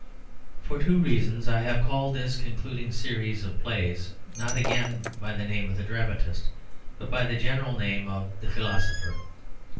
For two reasons I have called this concluding series of plays not again by the name of "The Dramatist," but by the general name of "The Philosopher."